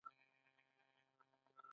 دا سیمه او دلته اَذيره په همدې نوم یادیږي.